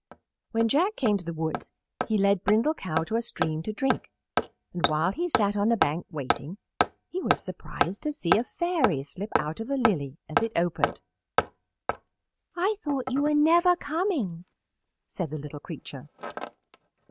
When Jack came to the woods he led Brindle Cow to a stream to drink, and while he sat on the bank, waiting, he was surprised to see a Fairy slip out of a lily as it opened. "I thought you were never coming," said the little creature.